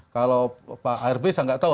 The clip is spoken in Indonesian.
kalau pak arb saya nggak tahu